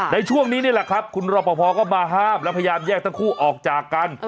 ในช่วงนี้นี่แหละครับคุณรอปภก็มาห้ามแล้วพยายามแยกทั้งคู่ออกจากกัน